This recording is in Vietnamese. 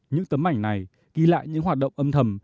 những tấm ảnh này ghi lại những hoạt động âm thầm